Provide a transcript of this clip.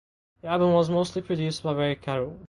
The album was mostly produced by Ray Carroll.